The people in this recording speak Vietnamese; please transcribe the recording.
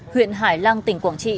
huyện hải lăng tỉnh quảng trị